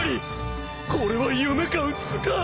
これは夢かうつつか。